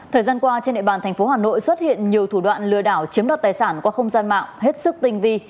thời gian qua trên địa bàn thành phố hà nội xuất hiện nhiều thủ đoạn lừa đảo chiếm đoạt tài sản qua không gian mạng hết sức tinh vi